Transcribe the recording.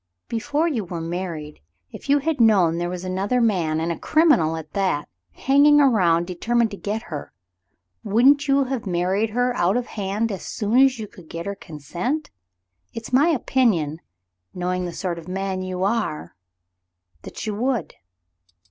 "Before you were married if you had known there was another man, and a criminal at that, hanging around determined to get her, wouldn't you have married her out of hand as soon as you could get her consent .? It's my opinion, knowing the sort of man you are, that you would."